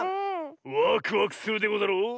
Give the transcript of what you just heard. ワクワクするでござろう。